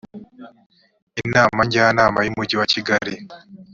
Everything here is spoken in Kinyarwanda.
inama njyanama y’umujyi wa kigali